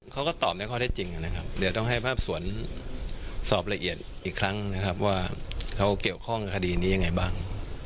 เขาก็ตอบในข้อได้จริงนะครับเดี๋ยวต้องให้ภาพสวนสอบละเอียดอีกครั้งนะครับว่าเขาเกี่ยวข้องกับคดีนี้ยังไงบ้าง